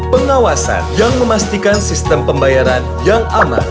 pengawasan yang memastikan sistem pembayaran yang aman